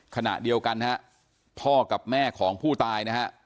ขณะเดียวกันนะครับพ่อกับแม่ของผู้ตายนะครับ